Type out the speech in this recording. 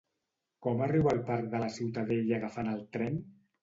Com arribo al Parc de la Ciutadella agafant el tren?